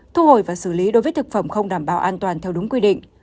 thu hồi và xử lý đối với thực phẩm không đảm bảo an toàn theo đúng quy định